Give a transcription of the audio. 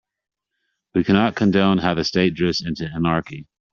We cannot condone how the state drifts into anarchy.